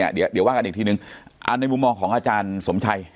เดี๋ยวว่ากันอีกทีนึงในมุมมองของอาจารย์สมชัย